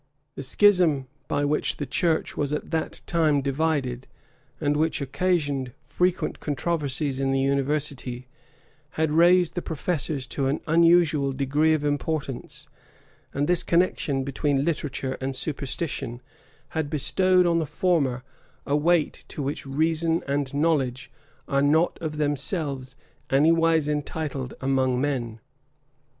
The schism by which the church was at that time divided, and which occasioned frequent controversies in the university, had raised the professors to an unusual degree of importance; and this connection between literature and superstition had bestowed on the former a weight to which reason and knowledge are not of themselves anywise entitled among men.